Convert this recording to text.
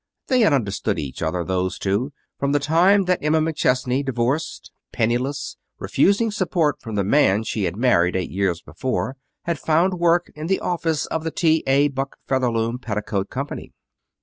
They had understood each other, those two, from the time that Emma McChesney, divorced, penniless, refusing support from the man she had married eight years before, had found work in the office of the T. A. Buck Featherloom Petticoat Company.